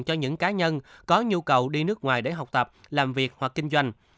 cho những cá nhân có nhu cầu đi nước ngoài để học tập làm việc hoặc kinh doanh